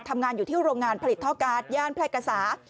ทำงานอยู่ที่โรงงานผลิตท่อการ์ดย่านแพร่กษา